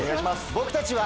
僕たちは。